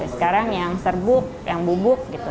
sekarang yang serbuk yang bubuk gitu